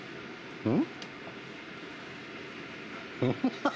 うん。